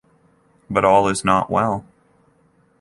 But all is not well.